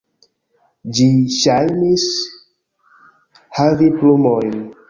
Ĝi ŝajnis havi plumojn.